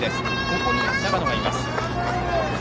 ここに長野がいます。